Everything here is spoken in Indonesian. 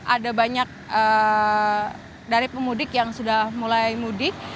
ada banyak dari pemudik yang sudah mulai mudik